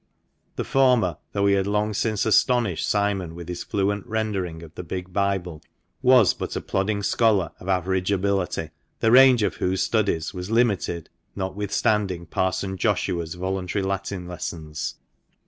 The former, though he had long since astonished Simon with his fluent rendering of the big Bible, was but a plodding scholar of average ability, the range of whose studies was" limited, notwithstanding Parson Joshua's voluntary Latin lessons.